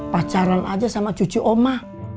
pacaran aja sama cucu oma